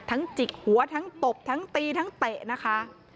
จิกหัวทั้งตบทั้งตีทั้งเตะนะคะ